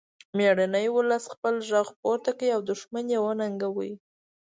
میړني ولس خپل غږ پورته کړ او دښمن یې وننګاوه